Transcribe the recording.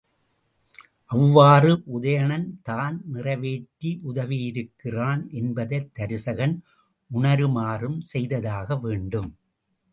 அவ்வாறு உதயணன்தான் நிறைவேற்றி உதவியிருக்கிறான் என்பதைத் தருசகன் உணருமாறும் செய்தாக வேண்டும்.